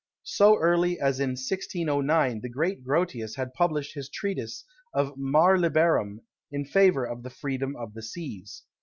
So early as in 1609 the great Grotius had published his treatise of Mare Liberum in favour of the freedom of the seas.